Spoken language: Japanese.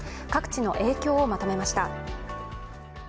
各地の影響をまとめました。